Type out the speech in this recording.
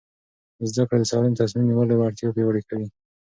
زده کړه د سالم تصمیم نیولو وړتیا پیاوړې کوي.